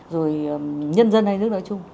rồi nhân dân hai nước nói chung